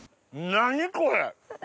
何これ！